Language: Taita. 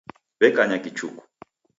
W'ekanya kichuku.